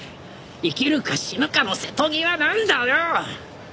生きるか死ぬかの瀬戸際なんだよ！